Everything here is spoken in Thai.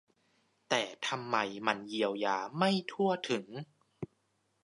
แต่ทำไมมันเยียวยาไม่ทั่วถึง